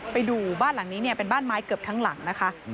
ไปดูบ้านหลังนี้เนี่ยเป็นบ้านไม้เกือบทั้งหลังนะคะ